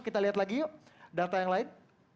kita lihat lagi yuk data yang lain